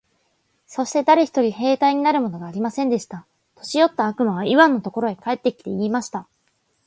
そして誰一人兵隊になるものがありませんでした。年よった悪魔はイワンのところへ帰って来て、言いました。